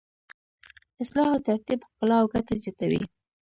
اصلاح او ترتیب ښکلا او ګټه زیاتوي.